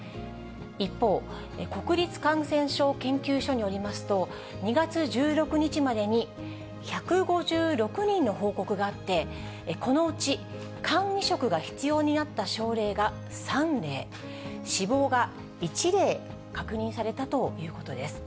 一方、国立感染症研究所によりますと、２月１６日までに１５６人の報告があって、このうち、肝移植が必要になった症例が３例、死亡が１例確認されたということです。